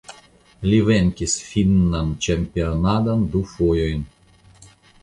Li venkis finnan ĉampianadon du fojojn.